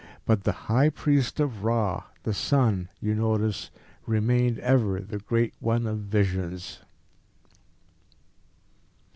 But the high priest of Ra, the sun, you notice, remained ever the Great One of Visions."